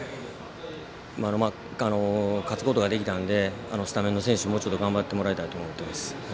勝つことができたのでスタメンの選手にもうちょっと頑張ってもらいたいと思います。